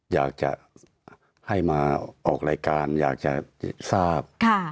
อยากจะให้มาออกรายการอยากจะทราบ